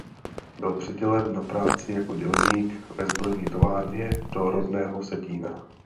Byl přidělen na práci jako dělník ve zbrojní továrně do rodného Vsetína.